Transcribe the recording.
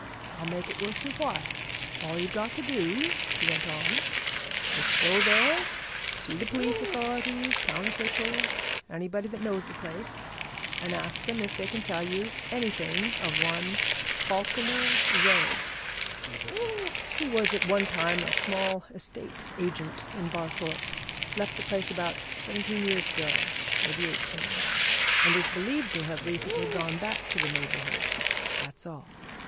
I'll make it worth your while. All you've got to do,' he went on, 'is to go there see the police authorities, town officials, anybody that knows the place, and ask them if they can tell you anything of one Falkiner Wraye, who was at one time a small estate agent in Barthorpe, left the place about seventeen years ago maybe eighteen and is believed to have recently gone back to the neighbourhood. That's all.